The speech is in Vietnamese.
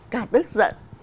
cả bức giận